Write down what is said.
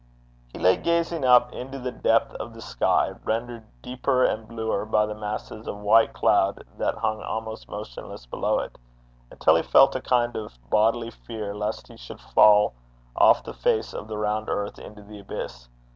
He lay gazing up into the depth of the sky, rendered deeper and bluer by the masses of white cloud that hung almost motionless below it, until he felt a kind of bodily fear lest he should fall off the face of the round earth into the abyss.